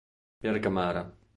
Pierre Camara